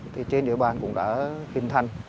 thì trên địa bàn cũng đã hình thành